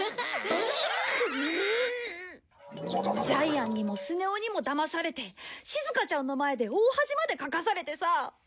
ジャイアンにもスネ夫にもだまされてしずかちゃんの前で大恥までかかされてさ。